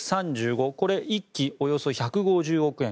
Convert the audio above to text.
これ１機、およそ１５０億円。